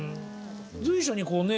随所にこうね